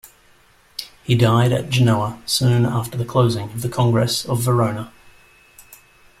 He died at Genoa soon after the closing of the Congress of Verona.